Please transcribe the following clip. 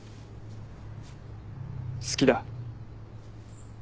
好きだ。